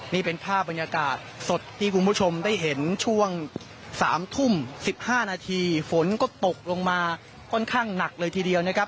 นี่เป็นภาพบรรยากาศสดที่คุณผู้ชมได้เห็นช่วง๓ทุ่ม๑๕นาทีฝนก็ตกลงมาค่อนข้างหนักเลยทีเดียวนะครับ